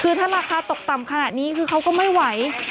คือถ้าราคาตกต่ำขนาดนี้คือเขาก็ไม่ไหว